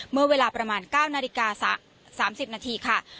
เมื่อเวลาประมาณ๙นาฬิกา๓๐นาทีค่ะ